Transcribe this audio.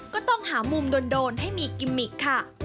ก็ต้องหามุมโดนให้มีกิมมิกค่ะ